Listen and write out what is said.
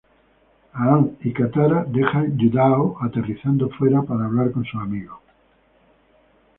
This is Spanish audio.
Aang y Katara dejan Yu Dao, aterrizando fuera para hablar con sus amigos.